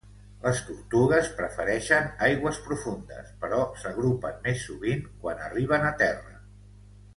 Les tortugues prefereixen aigües profundes, però s'agrupen més sovint quan arriben a terra.